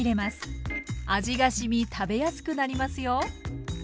味がしみ食べやすくなりますよ。